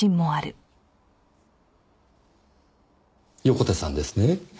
横手さんですね。